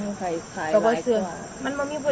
เห็ดเพราะมันมาเร็วมาเลย